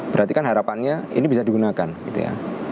berarti kan harapannya ini bisa digunakan gitu ya